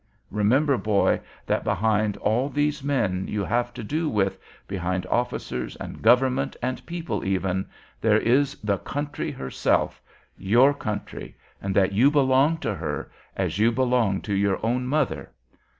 Remember, boy, that behind all these men you have to do with, behind officers, and government, and people even, there is the Country Herself, your Country, and that you belong to Her as you belong to your own mother.